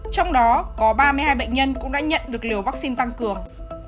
trong đó có ba mươi hai bệnh nhân cũng đã nhận được liều vắc xin tăng cường